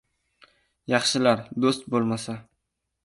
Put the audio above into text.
— Yaxshilar do‘st bo‘lmasa